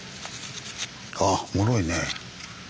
ああもろいね。